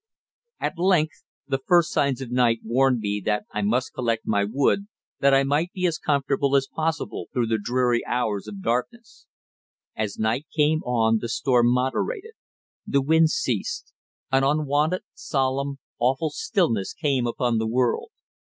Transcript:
At length the first signs of night warned me that I must collect my wood, that I might be as comfortable as possible through the dreary hours of darkness. As night came on the storm moderated. The wind ceased. An unwonted, solemn, awful stillness came upon the world.